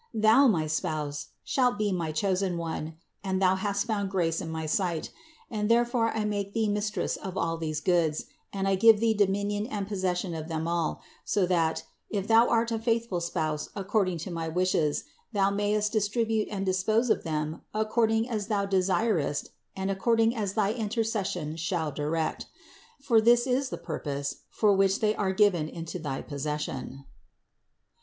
Thou, my Spouse, shalt be my chosen One and thou hast found grace in my sight; and there fore I make thee Mistress of all these goods and I give thee dominion and possession of them all, so that, if 88 CITY OF GOD them art a faithful spouse according to my wishes, thou mayest distribute and dispose of them according as thou desirest and according as thy intercession shall direct; for this is the purpose, for which they are given into thy possession."